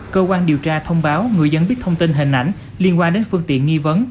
cơ quan điều tra thông báo người dân biết thông tin hình ảnh liên quan đến phương tiện nghi vấn